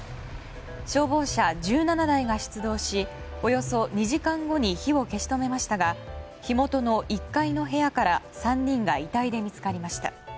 消防車１７台が出動しおよそ２時間後に火を消し止めましたが火元の１階の部屋から３人が遺体で見つかりました。